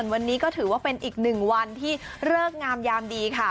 วันนี้ก็ถือว่าเป็นอีกหนึ่งวันที่เลิกงามยามดีค่ะ